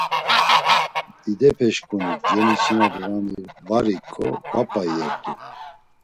Didepeşǩunik cemiçinadvani var iǩo va p̌a iyert̆u.